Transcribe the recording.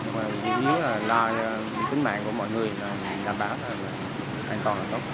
nhưng mà tính mạng của mọi người là bảo là an toàn là tốt